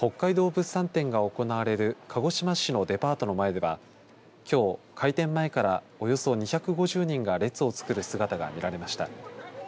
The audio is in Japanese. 物産展が行われる鹿児島市のデパートの前ではきょう、開店前からおよそ２５０人が列を作る姿が見られました。